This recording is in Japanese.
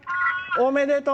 おめでとう！